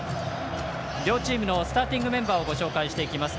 両チームのスターティングメンバーをご紹介してきます。